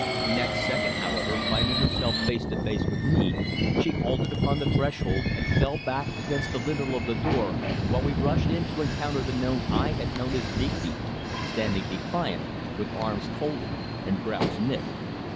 Next second, however, finding herself face to face with me, she halted upon the threshold and fell back against the lintel of the door while we rushed in to encounter the man I had known as Digby, standing defiant, with arms folded and brows knit.